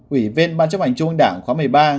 ủy viên ban chấp hành trung ương đảng khóa một mươi ba